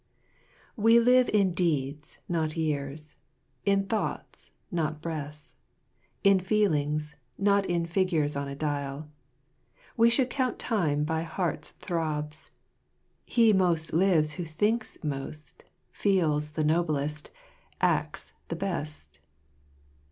We live in deeds, not years ; in thoughts, not breaths ; In feelings, not in figures on a dial ; We should count time by heart's throbs. He most lives Who thinks feels the noblest, acts the best."